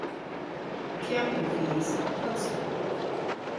Camping fees are posted.